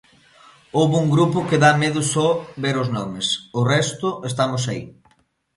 Houbo un grupo que da medo só ver os nomes, o resto estamos aí.